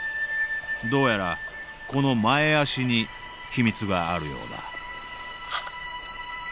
どうやらこの前足に秘密があるようだ